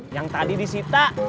yang tadi disita